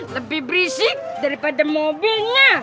lebih berisik daripada mobilnya